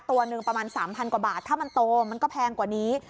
ตัวหนึ่งประมาณ๓๐๐กว่าบาทถ้ามันโตมันก็แพงกว่านี้